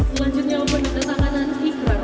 selanjutnya pendatanganan ikhbar